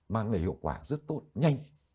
mang lại hiệu quả rất tốt nhanh